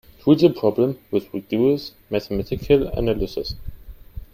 Treat the problem with rigorous mathematical analysis.